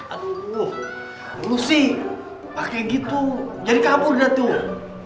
aduh lu sih pake gitu jadi kabur dah tuh